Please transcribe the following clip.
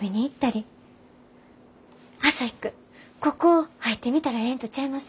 朝陽君ここ入ってみたらええんとちゃいます？